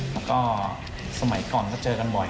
แล้วก็สมัยก่อนก็เจอกันบ่อย